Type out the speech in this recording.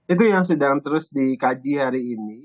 itu yang sedang terus dikaji hari ini